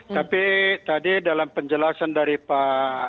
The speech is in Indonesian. tapi tadi dalam penjelasan dari pak